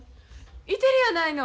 いてるやないの。